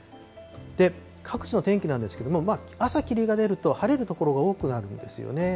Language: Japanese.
各地の天気なんですけど、まあ、朝霧が出ると、晴れる所が多くなるんですよね。